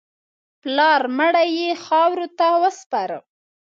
پلار مړی یې خاورو ته وسپاره.